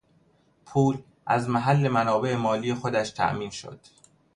پول از محل منابع مالی خودش تامین شد.